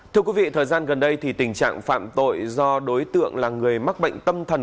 thưa quý vị thời gian gần đây thì tình trạng phạm tội do đối tượng là người mắc bệnh tâm thần